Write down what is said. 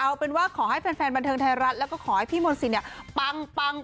เอาเป็นว่าขอให้แฟนบันเทิงไทยรัฐแล้วก็ขอให้พี่มนต์สินเนี่ยปัง